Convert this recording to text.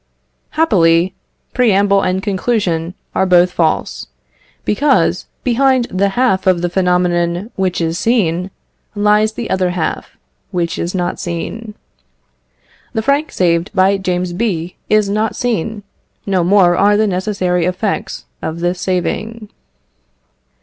Happily, preamble and conclusion are both false, because, behind the half of the phenomenon which is seen, lies the other half which is not seen. The franc saved by James B. is not seen, no more are the necessary effects of this saving.